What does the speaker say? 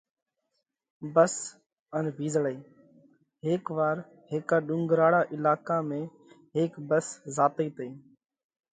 ڀس ان وِيزۯئِي: هيڪ وار هيڪا ڏُونڳراۯا علاقا ۾ هيڪ ڀس زاتئِي تئِي۔